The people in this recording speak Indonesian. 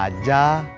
aku mau beli